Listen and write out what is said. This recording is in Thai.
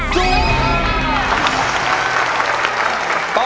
สู้ค่ะ